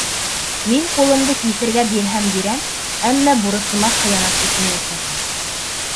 Мин ҡулымды киҫергә бирһәм бирәм... әммә бурысыма хыянат итмәйәсәкмен...